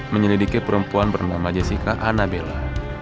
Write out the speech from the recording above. menyelidiki perempuan bernama jessica annabela